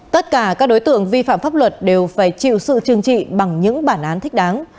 tất cả các đối tượng vi phạm pháp luật đều phải chịu sự trừng trị bằng những bản án thích đáng